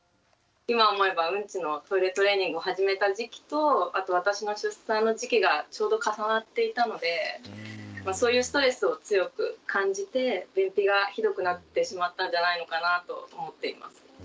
今思えばウンチのトイレトレーニングを始めた時期とあと私の出産の時期がちょうど重なっていたのでそういうストレスを強く感じて便秘がひどくなってしまったんじゃないのかなぁと思っています。